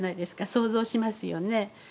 想像しますよね。